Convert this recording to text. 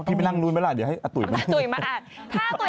พี่ไปนั่งนู้นไหมล่ะเดี๋ยวให้อตุ๋ยมาอ่าน